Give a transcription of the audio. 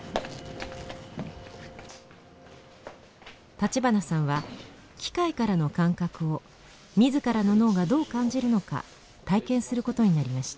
立花さんは機械からの感覚を自らの脳がどう感じるのか体験することになりました。